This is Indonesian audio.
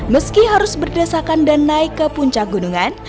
meski harus berdesakan dan naik ke puncak gunungan